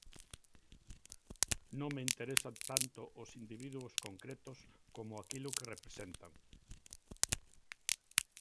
Non me interesan tanto os individuos concretos como aquilo que representan.